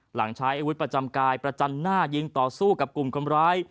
หลังใช้อาวุธประจำกายประจันหน้ายิงต่อสู้กับกลุ่มคนร้าย